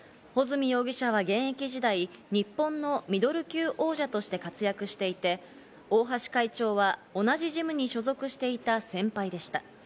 保住容疑者は現役時代、日本のミドル級王者として活躍していて、大橋会長は同じジムに所属していた先輩でした。